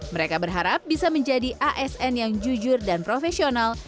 mereka berharap bisa menjadi asn yang jujur dan profesional